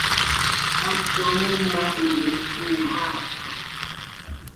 Haptco miimalim quih inyahaatxo.